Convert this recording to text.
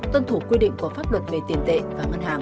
tuân thủ quy định của pháp luật về tiền tệ và ngân hàng